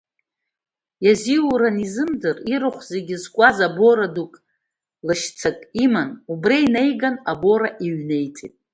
Иазиура анизымдыр, ирахә зегьы зкуаз боура дук, лашьцак иман, убра инаганы абоура иҩнеиҵеит.